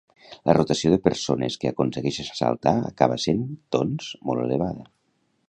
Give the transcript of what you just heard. La rotació de persones que aconsegueixen saltar acaba sent, doncs, molt elevada.